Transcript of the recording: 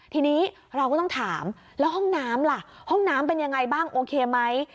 ทีนี้เราก็ต้องถามแล้วห้องน้ำล่ะห้องน้ำเป็นยังไงบ้างโอเคไหม